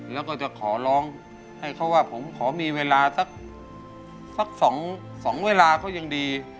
แล้วก็จะขอร้องให้เขาว่าผมขอมีเวลาสัก๒เวลาก็ยังดี